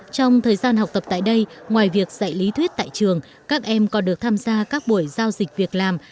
trong thời gian học tập tại đây ngoài việc dạy lý thuyết tại trường các em còn được tham gia các buổi giao dịch việc làm